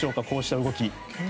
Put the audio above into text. こうした動き。